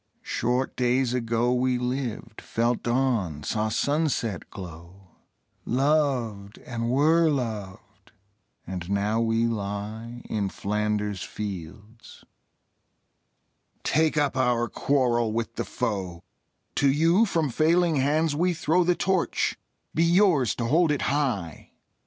Short days ago We lived, felt dawn, saw sunset glow, Loved, and were loved, and now we lie In Flanders fields. Take up our quarrel with the foe: To you from failing hands we throw The Torch: be yours to hold it high!